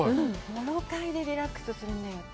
モロカイでリラックスするんだよって。